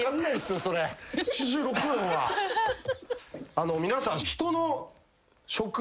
あの皆さん。